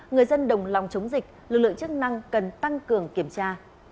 người dân đồng lòng chống dịch lực lượng chức năng cần tăng cường kiểm tra